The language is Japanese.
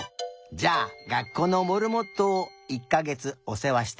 じゃあ学校のモルモットを１かげつおせわしてみるかい？